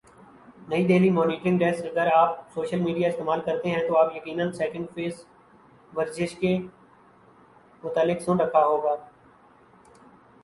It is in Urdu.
نئی دہلی مانیٹرنگ ڈیسک اگر آپ سوشل میڈیا استعمال کرتے ہیں تو آپ یقینا سیکنڈ فیس ورزش کے متعلق سن رکھا ہو گا